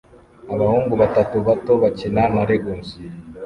Abahungu batatu bato bakina na Legos